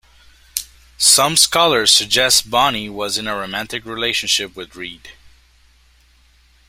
Some scholars suggest Bonny was in a romantic relationship with Read.